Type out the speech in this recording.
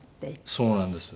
そうなんです。